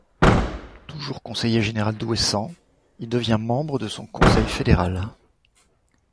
Toujours conseiller général d'Ouessant, il devient membre de son conseil fédéral.